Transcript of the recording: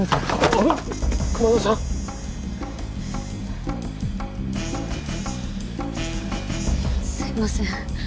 あっ熊沢さん？すいません。